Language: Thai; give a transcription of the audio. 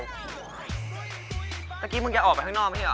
เมื่อกี้มึงแกออกไปข้างนอกไม่ใช่เหรอ